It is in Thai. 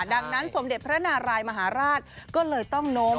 ดังนั้นสมเด็จพระนารายมหาราชก็เลยต้องโน้ม